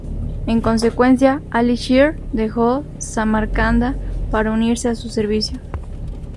En consecuencia, Ali-Shir dejó Samarcanda para unirse a su servicio.